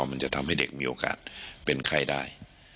มันจะทำให้เด็กมีโอกาสเป็นไข้ได้